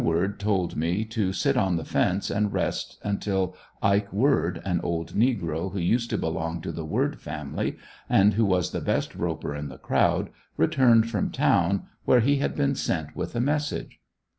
Word told me to sit on the fence and rest until Ike Word, an old negro who used to belong to the Word family, and who was the best roper in the crowd, returned from town where he had been sent with a message.